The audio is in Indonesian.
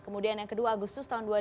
kemudian yang kedua agustus tahun dua ribu